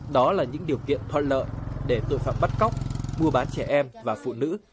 đó là những điều kiện thuận lợi để tội phạm bắt cóc mua bán trẻ em và phụ nữ